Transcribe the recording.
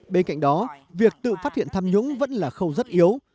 bên cạnh đó việc tự phát hiện tham nhũng vẫn là khâu rất yếu